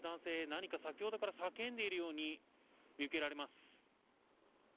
何か先ほどから叫んでいるように見受けられます。